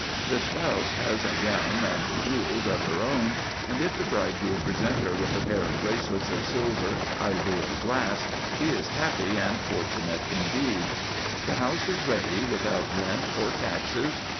The spouse has a gown and jewels of her own ; and, if the bridegroom present her with a pair of bracelets of silver, ivory, or glass, she is happy and fortunate indeed. The house is ready, without rent or taxes.